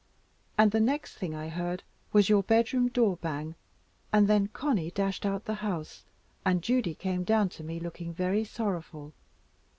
And the next thing I heard was your bedroom door bang and then Conny dashed out the house, and Judy came down to me looking very sorrowful.